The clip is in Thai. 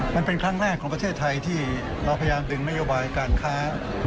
มันเป็นครั้งแรกของประเทศไทยที่เราพยายามดึงนโยบายการค้า